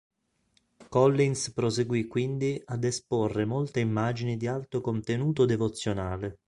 Collins proseguì quindi ad esporre molte immagini di alto contenuto devozionale.